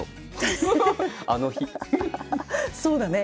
そうだね。